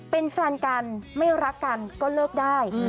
เป็นแฟนกันไม่รักกันก็เลิกได้